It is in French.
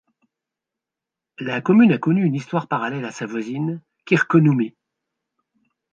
La commune a connu une histoire parallèle à sa voisine Kirkkonummi.